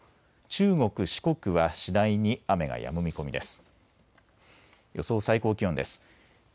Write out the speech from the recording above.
中国、四国は次第に雨がやむ見込みです。